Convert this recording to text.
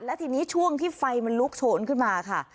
และทีนี้ช่วงที่ไฟมันลุกโฉนขึ้นมาค่ะ